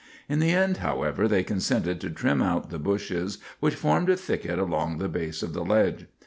In the end, however, they consented to trim out the bushes which formed a thicket along the base of the ledge.